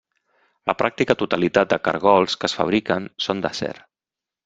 La pràctica totalitat de caragols que es fabriquen són d'acer.